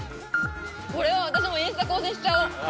これは私もインスタ更新しちゃお。